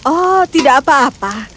oh tidak apa apa